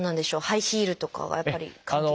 ハイヒールとかがやっぱり関係。